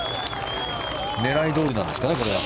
狙いどおりなんですかねこれは。